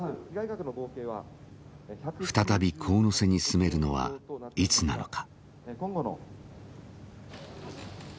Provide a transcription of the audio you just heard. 再び神瀬に住めるのはいつなのか？